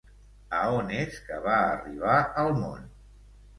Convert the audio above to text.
A on és que va arribar al món?